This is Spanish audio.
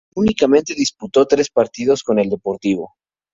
Únicamente disputó tres partidos con el Deportivo.